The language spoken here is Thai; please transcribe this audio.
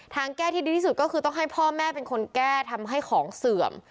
แก้ที่ดีที่สุดก็คือต้องให้พ่อแม่เป็นคนแก้ทำให้ของเสื่อม